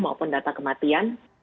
maupun data kematian